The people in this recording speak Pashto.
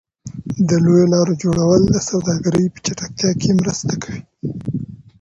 د لویو لارو جوړول د سوداګرۍ په چټکتیا کې مرسته کوي.